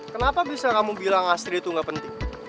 kenapa bisa kamu bilang astrid tuh gak penting